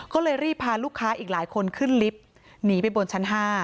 ก็เลยรีบพาลูกค้าอีกหลายคนขึ้นลิฟต์หนีไปบนชั้น๕